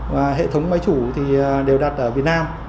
và hệ thống máy chủ thì đều đặt ở việt nam